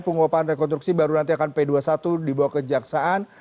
penguapan rekonstruksi baru nanti akan p dua puluh satu dibawa kejaksaan